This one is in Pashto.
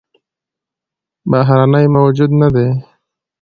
بهرنى موجود نه دى